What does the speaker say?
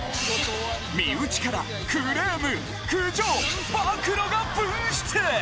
身内からクレーム苦情暴露が噴出！